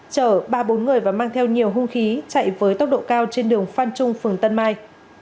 chở ba bốn người và mang theo nhiều hung khí chạy với tốc độ cao trên đường phan trung phường tân mai